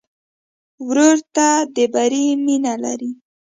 ورور ته د بری مینه لرې.